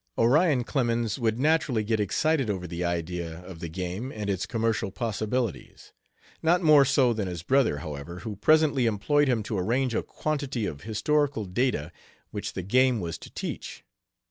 Onion Clemens would naturally get excited over the idea of the game and its commercial possibilities. Not more so than his brother, however, who presently employed him to arrange a quantity of historical data which the game was to teach.